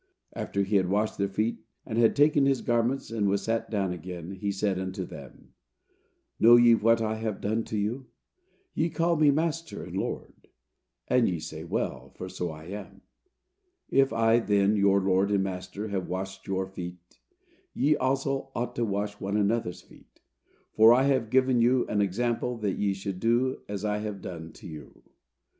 "After he had washed their feet and had taken his garments and was sat down again, he said unto them, Know ye what I have done to you? Ye call me Master and Lord: and ye say well, for so I am. If I, then, your Lord and Master, have washed your feet, ye also ought to wash one another's feet; for I have given you an example that ye should do as I have done to you."